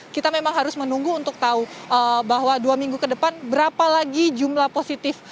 kita memang harus menunggu untuk tahu bahwa dua minggu ke depan berapa lagi jumlah positif